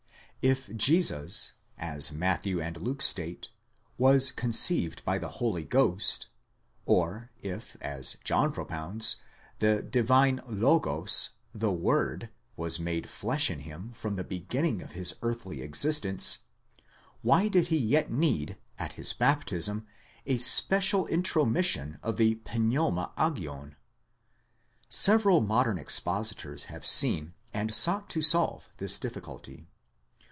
If Jesus, as Matthew and Luke state, was conceived by the Holy Ghost ; or if, as John propounds, the divine λόγος, the word, was made flesh in him, from the beginning of his earthly existence ; why did he yet need, at his baptism, a special intromission of the πνεῦμα dor? Several modern expositors have seen, and sought to solve, this difficulty.